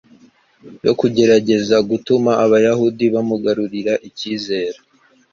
yo kugerageza gutuma Abayahudi bamugarurira icyizere.